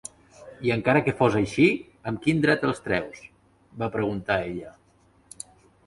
"I encara que fos així, amb quin dret els treus?" va preguntar ella.